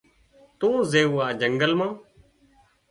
تون زيوي آ جنگل مان